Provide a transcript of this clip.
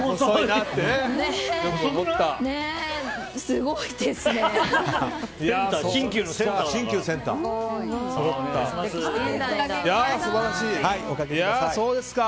すごいですね。